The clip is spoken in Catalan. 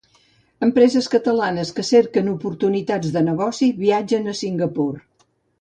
Empreses catalanes que cerquen oportunitats de negoci viatgen a Singapur.